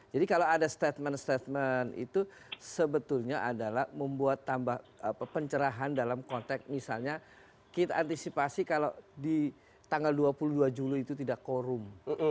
jadi kalau ada statement statement itu sebetulnya adalah membuat pencerahan dalam konteks misalnya kita antisipasi kalau di tanggal dua puluh dua juli itu tidak korum